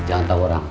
jangan tau orang